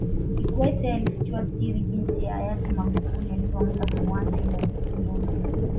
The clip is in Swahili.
Kikwete alifichua siri jinsi Hayati Magufuli alivyompa kiwanja ili aweze kujenga